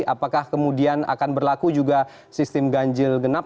apakah kemudian akan berlaku juga sistem ganjil genap